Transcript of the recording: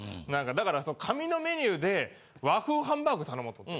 だから紙のメニューで和風ハンバーグ頼もうと思って。